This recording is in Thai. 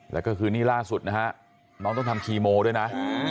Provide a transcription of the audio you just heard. แล้วก็คือนี่ล่าสุดนะฮะน้องต้องทำคีโมด้วยนะ